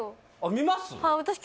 見ます？